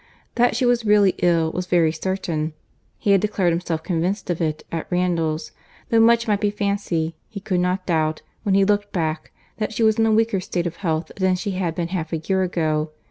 That she was really ill was very certain; he had declared himself convinced of it, at Randalls. Though much might be fancy, he could not doubt, when he looked back, that she was in a weaker state of health than she had been half a year ago.